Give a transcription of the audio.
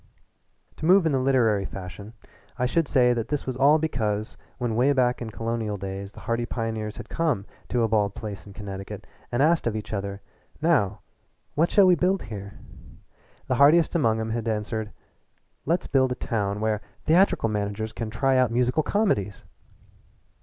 To move in the literary fashion I should say that this was all because when way back in colonial days the hardy pioneers had come to a bald place in Connecticut and asked of each other, "Now, what shall we build here?" the hardiest one among 'em had answered: "Let's build a town where theatrical managers can try out musical comedies!"